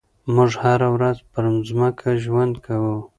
موږ هره ورځ پر ځمکه ژوند کوو.